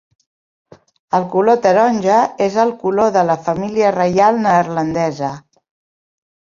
El color taronja és el color de la família reial neerlandesa.